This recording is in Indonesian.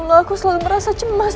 aku selalu merasa cemas